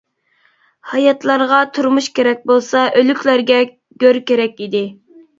ھاياتلارغا تۇرمۇش كېرەك بولسا، ئۆلۈكلەرگە گۆر كېرەك ئىدى.